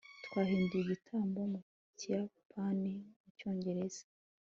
twahinduye igitabo mu kiyapani mu cyongereza